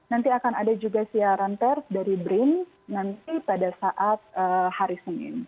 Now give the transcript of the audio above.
nanti akan ada juga siaran pers dari brin nanti pada saat hari senin